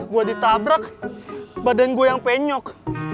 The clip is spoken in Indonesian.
gue ditabrak badan gue yang penyok